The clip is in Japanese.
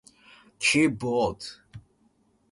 キーボード